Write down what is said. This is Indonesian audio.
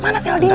mana sel di mana